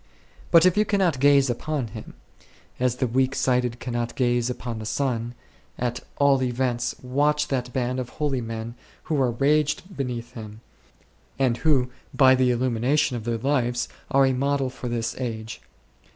But if you cannot gaze upon him, as the weak sighted cannot gaze upon the sun, at all events watch that band of holy men who are ranged beneath him, and who by the illu mination of their lives are a model for this age.